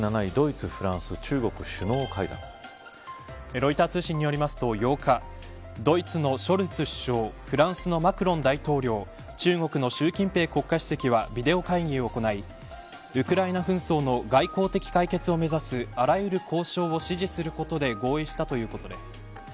続いてはＳＮＳ７位ドイツ、フランス、中国首脳会談ロイター通信によりますと８日、ドイツのショルツ首相フランスのマクロン大統領中国の習近平国家主席がビデオ会議を行いウクライナ紛争の外交的解決を目指すあらゆる交渉を支持することで合意したということです。